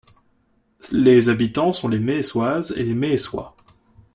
Les habitants sont les Méessoises et les Méessois.